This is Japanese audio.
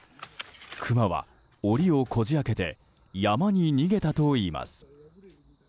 クマは檻をこじ開けて山に逃げたといいます。